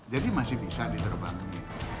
jadi masih bisa diterbangin